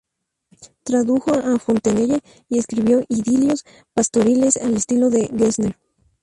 Tradujo a Fontenelle y escribió idilios pastoriles al estilo de Gessner.